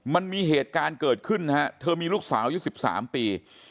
มันมีเหตุการณ์เกิดขึ้นนะฮะเธอมีลูกสาวยุค๑๓ปี